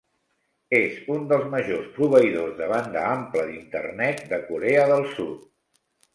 És un dels majors proveïdors de banda ampla d'Internet de Corea del Sud.